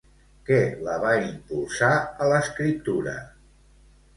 Què la va impulsar a l'escriptura?